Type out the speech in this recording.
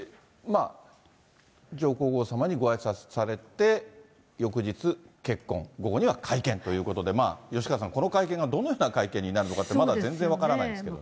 上皇后さまにごあいさつされて、翌日結婚、午後には会見ということで、吉川さん、この会見がどのような会見になるのかって、まだ全然分からないんですけれども。